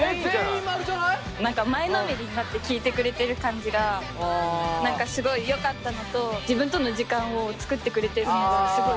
何か前のめりになって聞いてくれてる感じが何かすごいよかったのと自分との時間を作ってくれてるのがすごい。